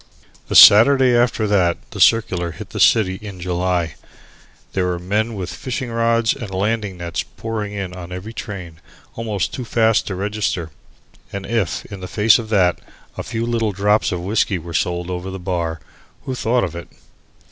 The Saturday after that circular hit the city in July, there were men with fishing rods and landing nets pouring in on every train, almost too fast to register. And if, in the face of that, a few little drops of whiskey were sold over the bar, who thought of it?